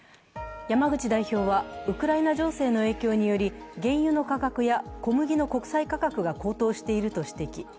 山口代表はウクライナ情勢の影響により原油の価格や小麦の国際価格が高騰していると指摘。